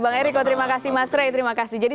bang ericko terima kasih mas ray terima kasih jadi